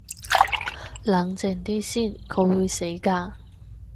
冷靜啲先，佢會死㗎